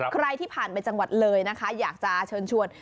ใครที่ผ่านไปจังหวัดเลยนะคะอยากจะเชิญชวน